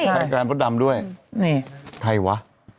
เป็นรายการพี่กว้นดำด้วยนี่ใครวะ